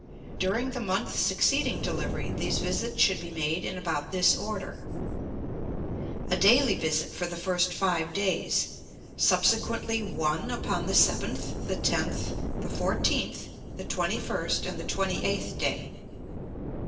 During the month succeeding delivery these visits should be made in about this order: a daily visit for the first five days, subsequently one upon the seventh, the tenth, the fourteenth, the twenty first, and the twenty eighth day.